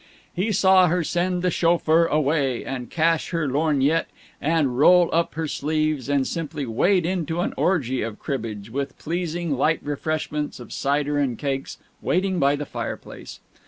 He saw her send the chauffeur away, and cache her lorgnette, and roll up her sleeves, and simply wade into an orgy of cribbage, with pleasing light refreshments of cider and cakes waiting by the fireplace.